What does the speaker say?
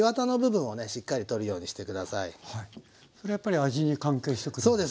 これやっぱり味に関係してくるんですか？